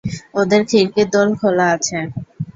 ওদের খিড়কির দোর খোলা আছে।